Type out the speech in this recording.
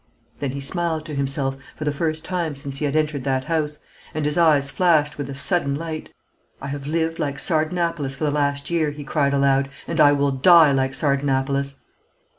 Then he smiled to himself, for the first time since he had entered that house, and his eyes flashed with a sudden light. "I have lived like Sardanapalus for the last year," he cried aloud; "and I will die like Sardanapalus!"